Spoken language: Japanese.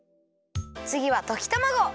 つぎはときたまご！